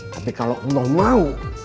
tapi kalau allah mau